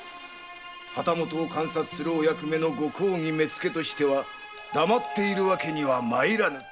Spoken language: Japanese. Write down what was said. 旗本を監察するお役目の御公儀目付としては黙っているわけには参らぬと。